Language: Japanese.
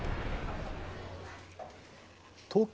東京